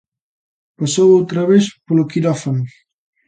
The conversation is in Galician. Pasou outra vez polo quirófano.